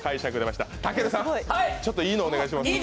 たけるさん、ちょっといいのをお願いします。